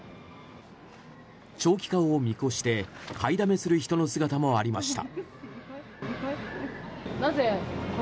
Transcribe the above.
長期化を見越して買いだめする人の姿もありました。